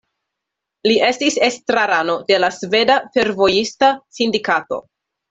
Li estis estrarano de la Sveda Fervojista Sindikato.